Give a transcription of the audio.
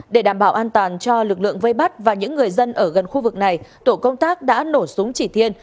để đảm bảo an toàn cho lực lượng vây bắt và những người dân ở gần khu vực này tổ công tác đã nổ súng chỉ thiên